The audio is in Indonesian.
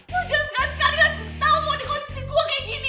jangan sekali sekali tau mau dikonsisi gua kayak gini